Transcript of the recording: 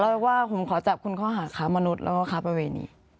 สารวัสว่าผมขอจับคุณเขาหาขามนุษย์แล้วก็ขาไปเวย์นี้